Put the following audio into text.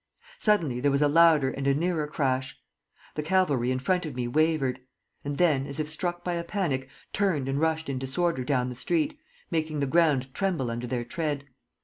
Suddenly there was a louder and a nearer crash. The cavalry in front of me wavered; and then, as if struck by a panic, turned and rushed in disorder down the street, making the ground tremble under their tread.